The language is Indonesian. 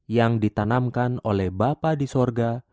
yang ditanamkan oleh bapak di sorga